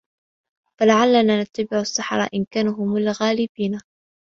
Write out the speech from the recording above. لَعَلَّنا نَتَّبِعُ السَّحَرَةَ إِن كانوا هُمُ الغالِبينَ